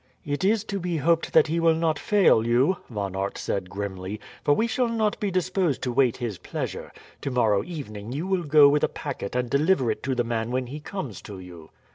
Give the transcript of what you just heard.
"It is to be hoped that he will not fail you," Von Aert said grimly, "for we shall not be disposed to wait his pleasure. Tomorrow evening you will go with a packet and deliver it to the man when he comes to you.